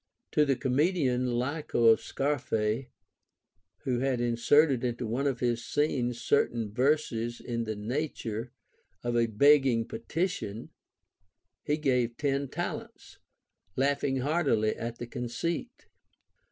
To tlie comedian Lyco of Scar phe, who had inserted into one of his scenes certain verses in the nature of a begging petition, he gave ten talents, laughing heartily at the conceit.